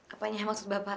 apanya maksud bapak